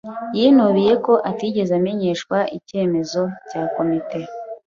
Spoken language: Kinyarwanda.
Yinubiye ko atigeze amenyeshwa icyemezo cya komite.